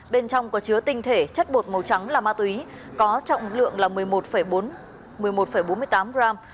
bên trong có chứa tinh thể chất bột màu trắng là ma túy có trọng lượng là một mươi một bốn mươi tám gram